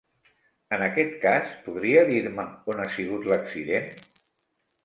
En aquest cas, podria dir-me on ha sigut l'accident?